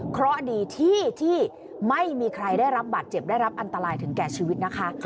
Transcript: เพราะดีที่ไม่มีใครได้รับบาดเจ็บได้รับอันตรายถึงแก่ชีวิตนะคะ